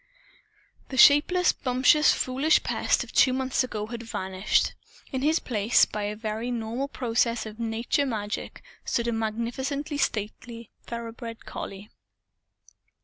The shapeless, bumptious, foolish Pest of two months ago had vanished. In his place, by a very normal process of nature magic, stood a magnificently stately thoroughbred collie.